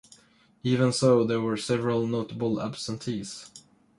Even so, there were several notable absentees.